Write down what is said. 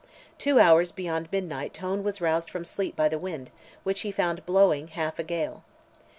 Two hours beyond midnight Tone was roused from sleep by the wind, which he found blowing half a gale.